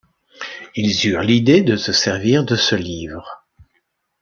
Ils eurent l'idée de se servir de ce livre.